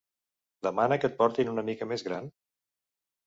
Demana que et portin una mica més gran?